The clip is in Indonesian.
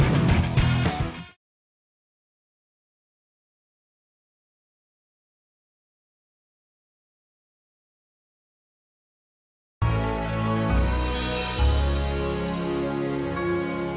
ya ampun emang